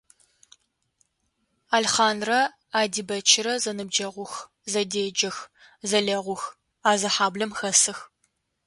Алхъанрэ Адибэчрэ зэныбджэгъух, зэдеджэх, зэлэгъух, а зы хьаблэм хэсых.